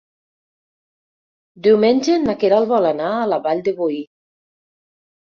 Diumenge na Queralt vol anar a la Vall de Boí.